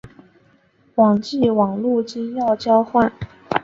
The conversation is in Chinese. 网际网路金钥交换。